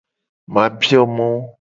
Ma bio mo.